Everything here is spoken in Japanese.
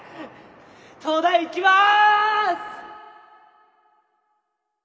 東大行きます！